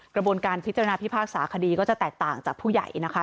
กระบวนการพิจารณาพิพากษาคดีก็จะแตกต่างจากผู้ใหญ่นะคะ